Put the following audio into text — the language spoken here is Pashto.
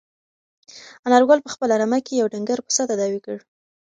انارګل په خپله رمه کې یو ډنګر پسه تداوي کړ.